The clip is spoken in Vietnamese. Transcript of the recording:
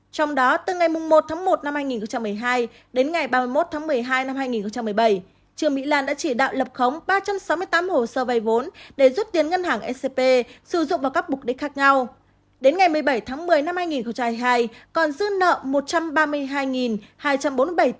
trong đó từ ngày một tháng một năm hai nghìn một mươi hai đến ngày ba mươi một tháng một mươi hai năm hai nghìn một mươi bảy trương mỹ lan đã chỉ đạo lập khống ba trăm sáu mươi tám hồ sơ vay vốn để rút tiền ngân hàng scp sử dụng vào các mục đích khác nhau